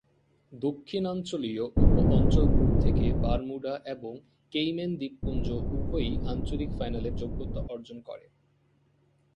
দক্ষিণাঞ্চলীয় উপ-অঞ্চল গ্রুপ থেকে বারমুডা এবং কেইম্যান দ্বীপপুঞ্জ উভয়েই আঞ্চলিক ফাইনালের যোগ্যতা অর্জন করে।